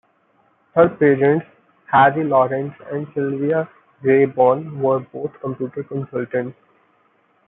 Her parents, Harry Lawrence and Sylvia Greybourne, were both computer consultants.